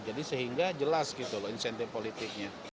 jadi sehingga jelas insentif politiknya